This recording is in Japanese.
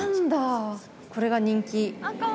これが人気。